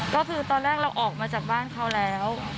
ก็คือตอนแรกเราออกมาจากบ้านเขาแล้ว